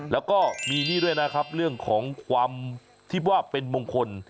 แล้วก็มีนี่ด้วยนะครับเรื่องของความอยู่ประเภทคือมงคล